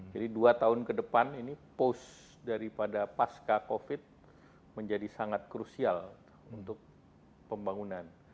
jadi dua tahun ke depan ini pos daripada pasca covid menjadi sangat krusial untuk pembangunan